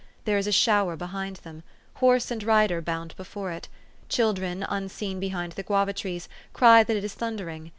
There is a shower behind them. Horse and rider bound before it. Children, un seen behind the guava trees, cry that it is thunder ing.